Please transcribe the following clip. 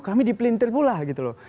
kami dipelintir pula gitu loh